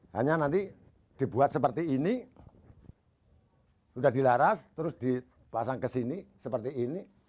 hanya nanti dibuat seperti ini sudah dilaras terus dipasang ke sini seperti ini